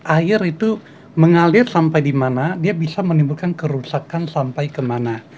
air itu mengalir sampai di mana dia bisa menimbulkan kerusakan sampai kemana